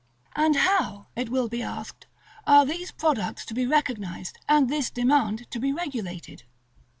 § XVII. And how, it will be asked, are these products to be recognized, and this demand to be regulated?